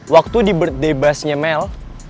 waktu di birthday bus nya mel